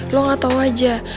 lo gak tau aja